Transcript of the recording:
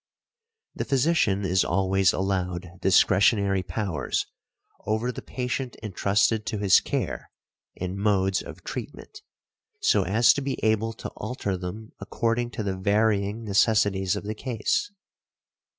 The physician is always allowed discretionary powers over the patient entrusted to his care in modes of treatment, so as to be able to alter them according to the varying necessities of the case.